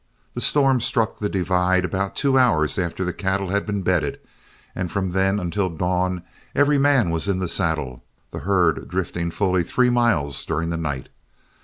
The storm struck the divide about two hours after the cattle had been bedded, and from then until dawn every man was in the saddle, the herd drifting fully three miles during the night.